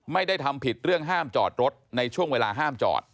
ไม่ได้ทำผิดเรื่องห้ามจอดรถในช่วงเวลาห้ามจอด